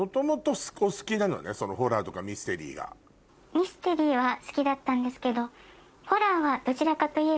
ミステリーは好きだったんですけど。